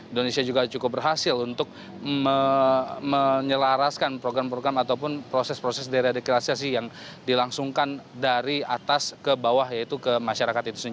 indonesia juga cukup berhasil untuk menyelaraskan program program ataupun proses proses deradikalisasi yang dilangsungkan dari atas ke bawah yaitu ke masyarakat itu sendiri